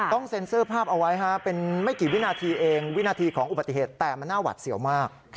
ต้องเซ็นเซอร์ภาพเอาไว้เป็นไม่กี่วินาทีเองวินาทีของอุบัติเหตุแต่มันน่าหวัดเสี่ยวมาก